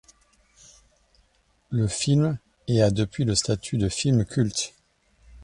Le film est a depuis le statut de film culte.